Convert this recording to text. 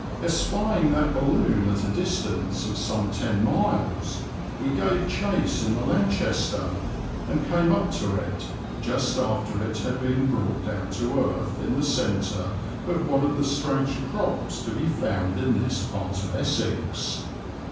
Espying that balloon at a distance of some ten miles, we gave chase in the Lanchester and came up to it, just after it had been brought down to earth in the centre of one of the strange crops to be found in this part of Essex.